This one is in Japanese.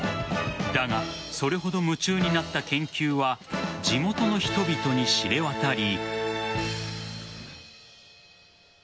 だがそれほど夢中になった研究は地元の人々に知れ渡り。